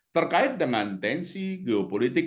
terkait dengan tensi geopolitik